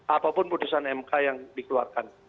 apapun putusan mk yang dikeluarkan